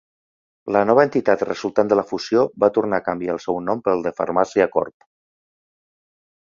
La nova entitat resultant de la fusió va tornar a canviar el seu nom pel de Pharmacia Corp.